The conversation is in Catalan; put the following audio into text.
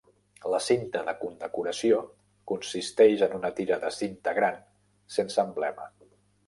La cinta de condecoració consisteix en una tira de cinta gran sense emblema.